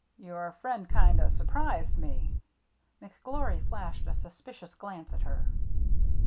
Your friend kind o* surprised me." McGlory flashed a suspicious glance at her.